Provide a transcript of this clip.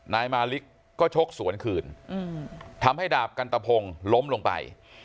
นายมาลิกก็ชกสวนคืนทำให้ดาบกันตะพงล้มลงไป